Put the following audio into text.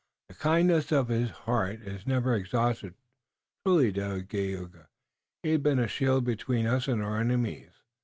The kindness of his heart is never exhausted. Truly, O Dagaeoga, he has been a shield between us and our enemies.